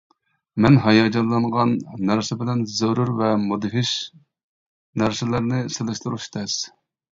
مەن ھاياجانلانغان نەرسە بىلەن زۆرۈر ۋە مۇدھىش نەرسىلەرنى سېلىشتۇرۇش تەس.